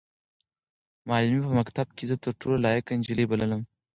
معلمې به په مکتب کې زه تر ټولو لایقه نجلۍ بللم.